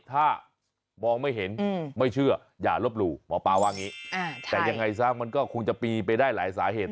ถ้ามองไม่เห็นไม่เชื่ออย่าลบหลู่หมอปลาว่าอย่างนี้แต่ยังไงซะมันก็คงจะปีไปได้หลายสาเหตุ